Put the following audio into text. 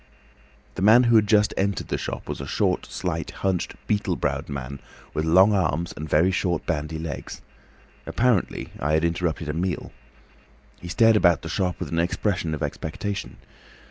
"The man who had just entered the shop was a short, slight, hunched, beetle browed man, with long arms and very short bandy legs. Apparently I had interrupted a meal. He stared about the shop with an expression of expectation.